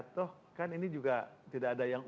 toh kan ini juga tidak ada yang